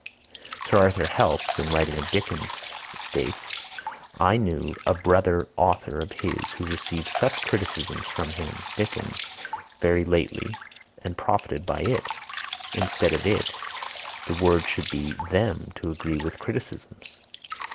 Sir Arthur Helps in writing of Dickens, states "I knew a brother author of his who received such criticisms from him (Dickens) very lately and profited by it." Instead of it the word should be them to agree with criticisms.